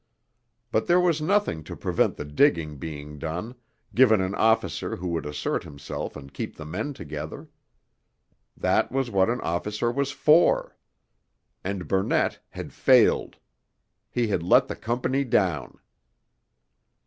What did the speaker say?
But there was nothing to prevent the digging being done, given an officer who would assert himself and keep the men together. That was what an officer was for. And Burnett had failed. He had let the company down.